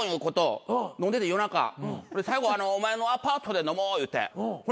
夜中最後お前のアパートで飲もう言って。